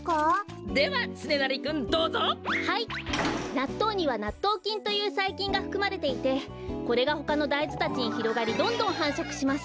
なっとうにはなっとうきんというさいきんがふくまれていてこれがほかのだいずたちにひろがりどんどんはんしょくします。